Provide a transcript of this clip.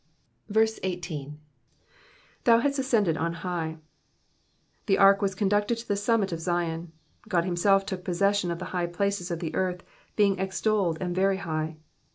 18. ^''Thou hast ascended on high,'*^ The ark was conducted to the summit of Zion ; God himself took possession of the high places of the eaith, being extolled and very high.